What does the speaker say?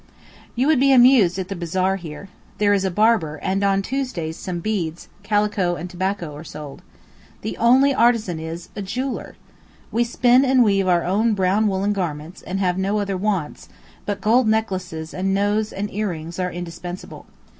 You would be amused at the bazaar here. There is a barber, and on Tuesdays some beads, calico, and tobacco are sold. The only artizan is—a jeweller! We spin and weave our own brown woollen garments, and have no other wants, but gold necklaces and nose and earrings are indispensable.